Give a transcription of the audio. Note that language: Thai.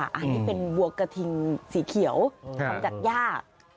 อันนี้เป็นบัวกระทิงสีเขียวทำจากย่า